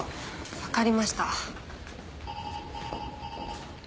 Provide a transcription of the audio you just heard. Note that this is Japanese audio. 分かりました。